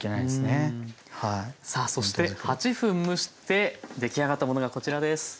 さあそして８分蒸して出来上がったものがこちらです。